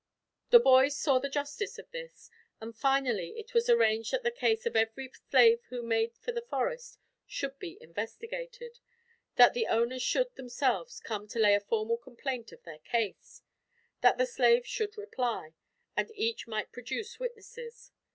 The boys saw the justice of this, and finally it was arranged that the case of every slave who made for the forest should be investigated; that the owners should, themselves, come to lay a formal complaint of their case; that the slave should reply; and each might produce witnesses.